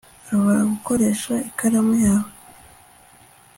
Nshobora gukoresha ikaramu yawe